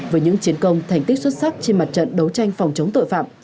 với những chiến công thành tích xuất sắc trên mặt trận đấu tranh phòng chống tội phạm